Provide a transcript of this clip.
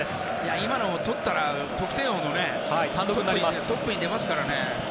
今のを取ったら得点王のトップに出ますからね。